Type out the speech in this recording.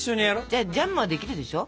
じゃあジャムはできるでしょ。